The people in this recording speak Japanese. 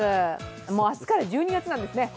もう明日から１２月なんですね。